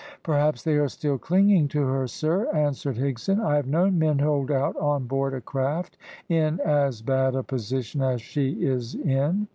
"Perhaps they are still clinging to her, sir," answered Higson. "I have known men hold out on board a craft in as bad a position as she is in."